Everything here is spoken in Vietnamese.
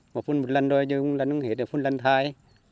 một phút một lần thôi chứ không lần hết là phút lần thai